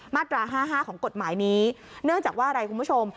มาตรา๕๕ของกฎหมายนี้เนื่องจากว่าอะไรคุณผู้ชม